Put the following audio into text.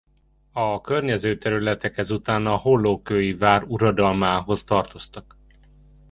A környező területek ezután a hollókői vár uradalmához tartoztak.